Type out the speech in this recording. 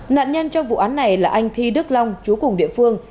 nạn nhân trong vụ án này là anh thi đức long chú cùng địa phương